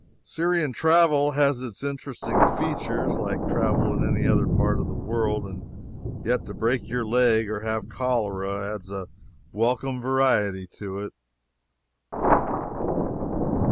Syrian travel has its interesting features, like travel in any other part of the world, and yet to break your leg or have the cholera adds a welcome variety to it.